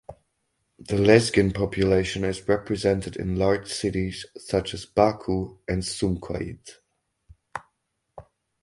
The Lezgin population is represented in large cities such as Baku and Sumqayit.